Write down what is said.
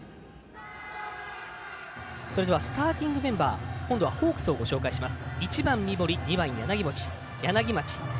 それではスターティングメンバー今度はホークスをご紹介します。